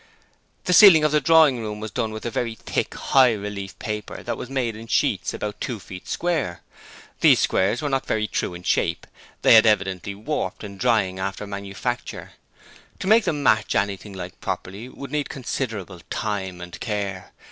The ceiling of the drawing room was done with a very thick high relief paper that was made in sheets about two feet square. These squares were not very true in shape: they had evidently warped in drying after manufacture: to make them match anything like properly would need considerable time and care.